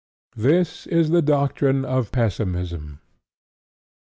This is the doctrine of Pessimism.